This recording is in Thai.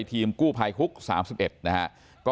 ทีมกู้ภายคุก๓๑